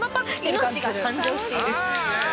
命が誕生している。